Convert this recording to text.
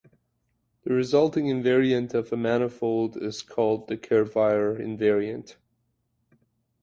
The resulting invariant of a manifold is called the Kervaire invariant.